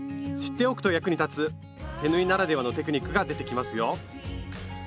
知っておくと役に立つ手縫いならではのテクニックが出てきますよ！